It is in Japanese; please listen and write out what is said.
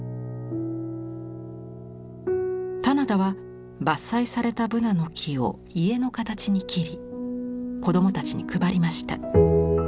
棚田は伐採されたブナの木を家の形に切り子どもたちに配りました。